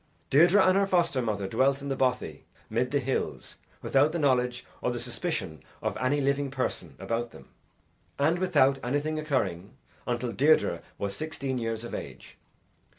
Deirdre and her foster mother dwelt in the bothy mid the hills without the knowledge or the suspicion of any living person about them and without anything occurring, until Deirdre was sixteen years of age.